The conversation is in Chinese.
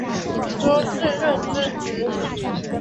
苏士润之侄。